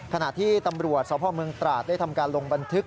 ขณะที่ตำรวจสพเมืองตราดได้ทำการลงบันทึก